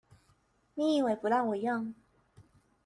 你以為不讓我用